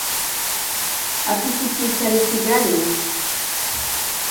afite icyicaro i Kigali